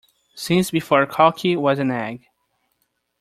Since before cocky was an egg.